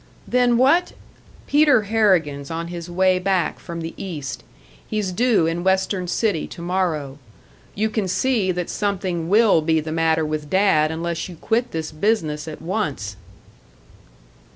"Then what ?" "Peter Harrigan's on his way back from the East. He's due in Western City to morrow. You can see that something will be the matter with Dad unless you quit this business at once."